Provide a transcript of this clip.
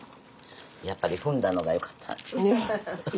やっぱり踏んだのがよかった。